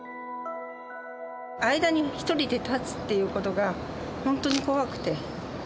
アイダに１人で立つっていうことが、本当に怖くて。